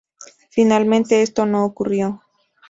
Finalmente esto no ocurrió.